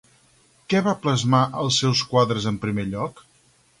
Què va plasmar als seus quadres en primer lloc?